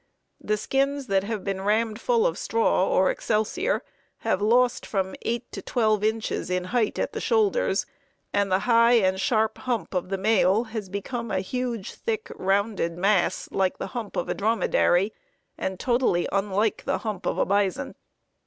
The skins that have been rammed full of straw or excelsior have lost from 8 to 12 inches in height at the shoulders, and the high and sharp hump of the male has become a huge, thick, rounded mass like the hump of a dromedary, and totally unlike the hump of a bison.